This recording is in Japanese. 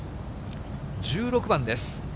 １６番です。